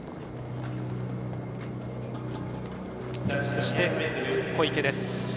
そして、小池です。